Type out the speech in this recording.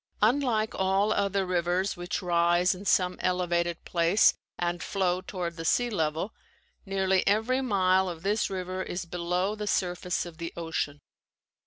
Unlike all other rivers which rise in some elevated place and flow toward the sea level, nearly every mile of this river is below the surface of the ocean.